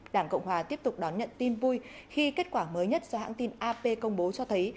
đảng cộng hòa tiếp tục đón nhận tin vui khi kết quả mới nhất do hãng tin ap công bố cho thấy